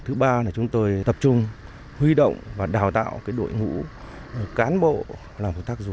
thứ ba là chúng tôi tập trung huy động và đào tạo đội ngũ cán bộ làm công tác du lịch